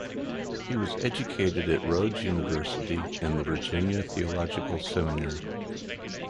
He was educated at Rhodes University and the Virginia Theological Seminary.